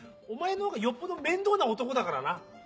お前のほうがよっぽど面倒な男だからな。